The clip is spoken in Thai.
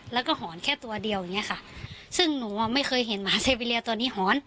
แล้วก็หอนแค่ตัวเดียวอย่างเงี้ยค่ะซึ่งหนูอ่ะไม่เคยเห็นหมาเซวิเลียตัวนี้หอน